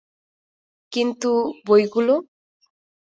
কিন্তু, বইগুলো?